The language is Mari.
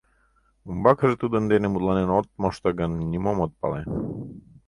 Умбакыже тудын дене мутланен от мошто гын, нимом от пале.